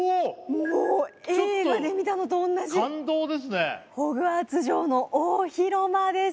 もう映画で見たのと同じちょっと感動ですねホグワーツ城の大広間です